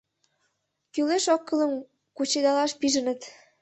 Кӱлеш-оккӱллан кучедалаш пижыныт.